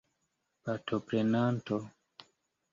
partoprenanto